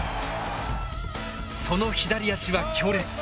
その左足は強烈。